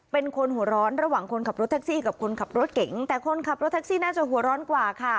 เป็นคนหัวร้อนระหว่างคนขับรถแท็กซี่กับคนขับรถเก๋งแต่คนขับรถแท็กซี่น่าจะหัวร้อนกว่าค่ะ